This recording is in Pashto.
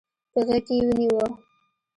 په غېږ کې يې ونيو.